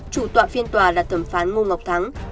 chủ tọa phiên tòa là thẩm phán ngô ngọc thắng